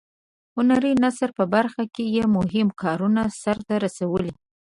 هنري نثر په برخه کې یې مهم کارونه سرته رسولي.